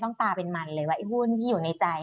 ตาเป็นมันเลยว่าไอ้หุ้นที่อยู่ในใจ